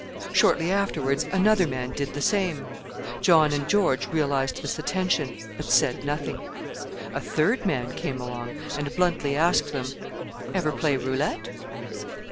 Shortly afterwards another man did the same. John and George realised this attention, but said nothing. A third man came along, and bluntly asked them, "Ever play roulette?"